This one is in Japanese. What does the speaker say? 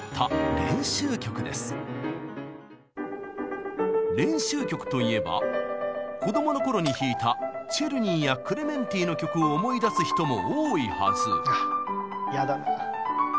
練習曲といえば子供の頃に弾いたチェルニーやクレメンティの曲を思い出す人も多いはず。